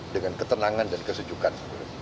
dengan ketenangan dan kesejukan